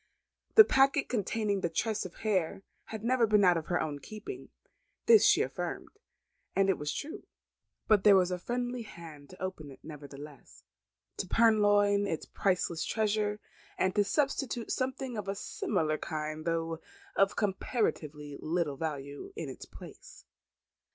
The packet containing the tress of hair had never been out of her own keeping. This she affirmed; and it was true. But there was a friendly hand to open it nevertheless; to purloin its priceless treasure; and to substitute something of a similar kind, though of comparatively little value in its place.